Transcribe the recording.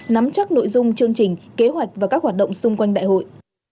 nắm chắc nội dung chương trình kế hoạch và các hoạt động xung quanh đại hội